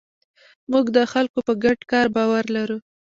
موږ د خلکو په ګډ کار باور لرو.